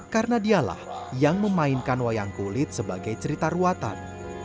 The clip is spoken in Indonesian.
karena dialah yang memainkan wayang kulit sebagai cerita ruatan